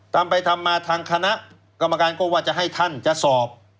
ทำไปทำมาทางคณะกรรมการก็ว่าจะให้ท่านจะสอบ